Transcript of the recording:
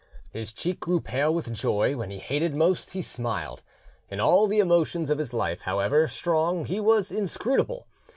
His cheek grew pale with joy; when he hated most, he smiled; in all the emotions of his life, however strong, he was inscrutable.